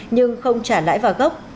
nhưng không trả lãi vào gốc